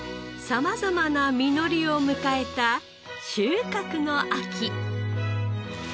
様々な実りを迎えた収穫の秋。